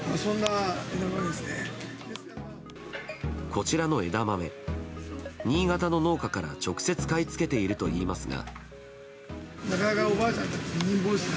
こちらの枝豆、新潟の農家から直接買い付けているといいますが。